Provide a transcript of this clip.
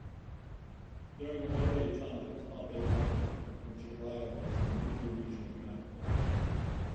During the Moche times, Pampa Grande, near Chiclayo, was a major regional capital.